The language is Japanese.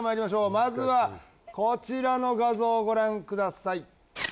まずはこちらの画像をご覧ください。